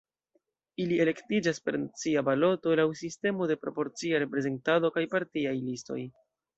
Ili elektiĝas per nacia baloto laŭ sistemo de proporcia reprezentado kaj partiaj listoj.